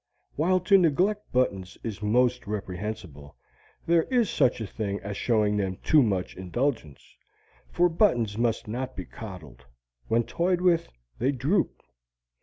While to neglect buttons is most reprehensible, there is such a thing as showing them too much indulgence. For buttons must not be coddled: when toyed with, they droop.